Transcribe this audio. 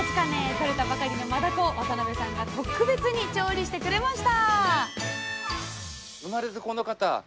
とれたばかりのマダコを渡辺さんが特別に調理してくれました！